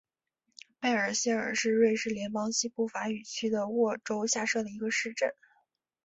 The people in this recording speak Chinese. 贝尔谢尔是瑞士联邦西部法语区的沃州下设的一个市镇。